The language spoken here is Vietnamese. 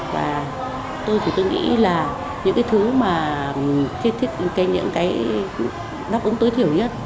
và tôi thì tôi nghĩ là những cái thứ mà kết thúc những cái đáp ứng tối thiểu nhất